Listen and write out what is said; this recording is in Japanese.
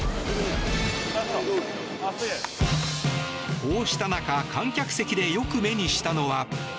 こうした中観客席でよく目にしたのは。